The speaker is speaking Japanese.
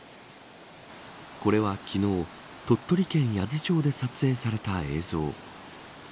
これは昨日、鳥取県八頭町で撮影された映像。